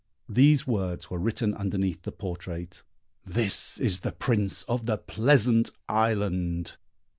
These words were written underneath the portrait: "This is the Prince of the Pleasant Island."